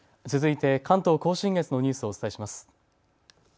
続いて関東甲信越のニュースをお伝えします。